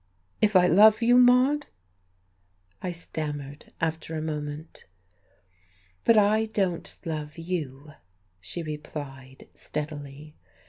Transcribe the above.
"If I love you, Maude?" I stammered, after a moment. "But I don't love you," she replied, steadily.